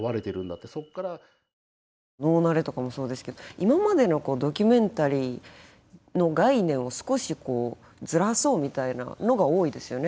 「ノーナレ」とかもそうですけど今までのドキュメンタリーの概念を少しこうずらそうみたいなのが多いですよね